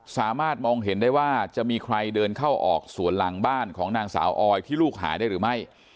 สามารถมองเห็นได้ว่าจะมีใครเดินเข้าออกสวนหลังบ้านของนางสาวออยที่ลูกหายได้หรือไม่